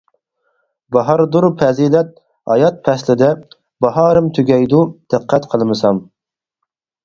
باھاردۇر پەزىلەت، ھايات پەسلىدە، باھارىم تۈگەيدۇ، دىققەت قىلمىسام.